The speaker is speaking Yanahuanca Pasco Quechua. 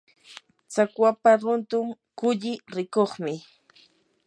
tsakwapa runtun kulli rikuqmi.